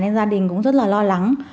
gia đình cũng rất là lo lắng